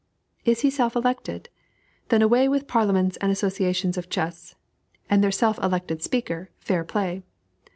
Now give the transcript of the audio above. Is he self elected? Then away with parliaments and associations of chess, and their self elected speaker, "Fairplay."